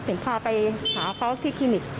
พาไปหาเขาที่คลินิก